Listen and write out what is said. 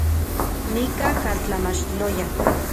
Nika kaltlamachtiloyan